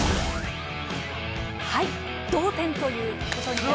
はい同点ということに。